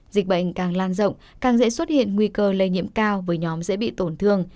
dịch bệnh càng lan rộng càng dễ xuất hiện nguy cơ lây nhiễm cao với nhóm dễ bị tổn thương